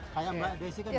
kayak mbak desi kan gila